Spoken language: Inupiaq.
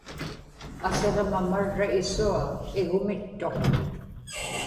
asiġma marra isua igumittuq